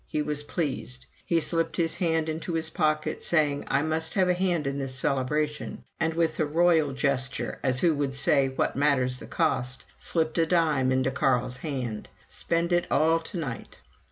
He was pleased. He slipped his hand into his pocket saying, "I must have a hand in this celebration." And with a royal gesture, as who should say, "What matter the costs!" slipped a dime into Carl's hand. "Spend it all to night."